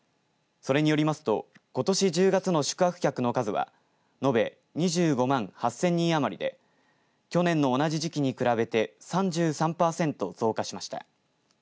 それによりますとことし１０月の宿泊客の数は延べ２５万８０００人余りで去年の同じ時期に比べて３３パーセント増加しました。